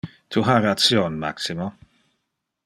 Tu ha ration, Maximo.